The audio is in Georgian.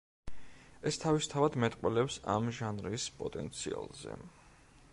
ეს თავისთავად მეტყველებს ამ ჟანრის პოტენციალზე.